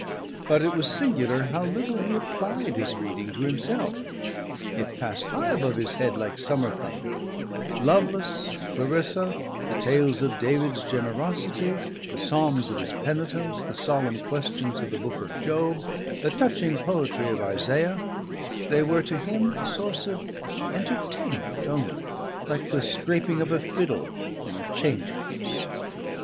But it was singular how little he applied his reading to himself; it passed high above his head like summer thunder; Lovelace and Clarissa, the tales of David's generosity, the psalms of his penitence, the solemn questions of the Book of Job, the touching poetry of Isaiah they were to him a source of entertainment only, like the scraping of a fiddle in a change house.